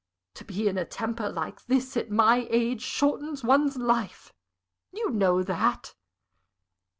To be in a temper like this, at my age, shortens one's life you know that."